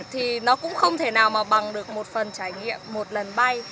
thì nó cũng không thể nào mà bằng được một phần trải nghiệm một lần bay